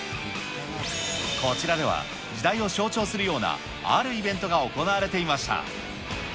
こちらでは、時代を象徴するような、あるイベントが行われていました。